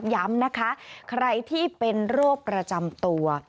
ย้ำนะคะใครที่เป็นโรคประจำตัว